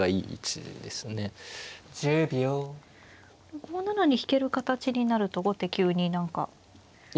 ５七に引ける形になると後手急に何か楽しい形に。